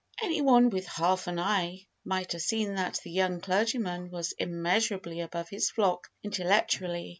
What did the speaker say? Any one with half an eye might have seen that the young clergyman was immeasurably above his flock intellectually.